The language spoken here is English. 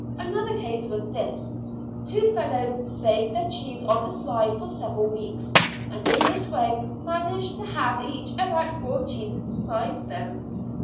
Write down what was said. Another case was this two fellows saved their cheese on the sly for several weeks, and in this way managed to have each about four cheeses beside them.